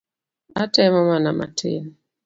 Atemo mana matin.